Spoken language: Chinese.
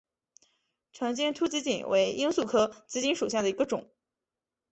长尖突紫堇为罂粟科紫堇属下的一个种。